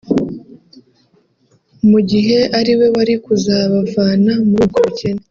mu gihe ari we wari kuzabavana muri ubwo bukene